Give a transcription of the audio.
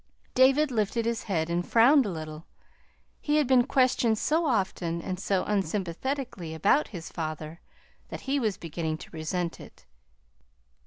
David lifted his head and frowned a little. He had been questioned so often, and so unsympathetically, about his father that he was beginning to resent it.